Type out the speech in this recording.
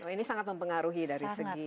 ini sangat mempengaruhi dari segi